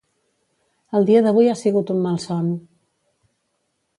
El dia d'avui ha sigut un malson.